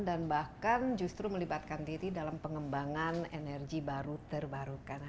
dan bahkan justru melibatkan diri dalam pengembangan energi baru terbarukan